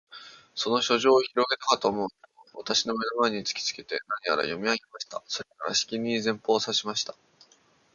その書状をひろげたかとおもうと、私の眼の前に突きつけて、何やら読み上げました。それから、しきりに前方を指さしました。